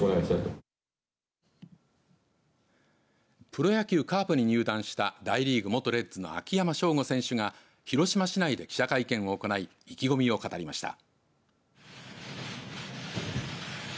プロ野球、カープに入団した大リーグ元レッズ秋山翔吾選手が広島市内で記者会見を行い意気込みを語りました。